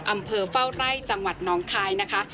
อำเภอเฝ้าไร่จังหวัดน้องคายนะคะ